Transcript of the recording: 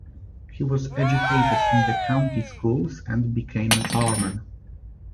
He was educated in the county schools and became a farmer.